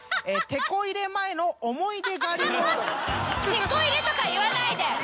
「テコ入れ」とか言わないで！